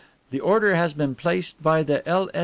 The order has been placed by the L.